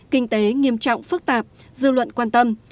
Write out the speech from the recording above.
kinh tế nghiêm trọng phức tạp dư luận quan tâm